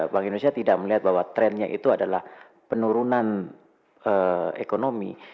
bank indonesia tidak melihat bahwa trennya itu adalah penurunan ekonomi